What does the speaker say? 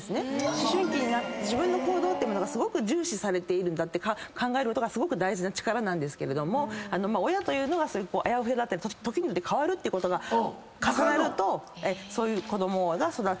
思春期になり自分の行動ってものがすごく重視されてるって考えることがすごく大事な力なんですけれども親というのがあやふやだったり時によって変わるってことが重なるとそういう子供が育つと。